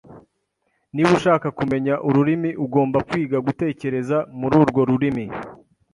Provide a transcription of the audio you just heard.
Niba ushaka kumenya ururimi, ugomba kwiga gutekereza mururwo rurimi.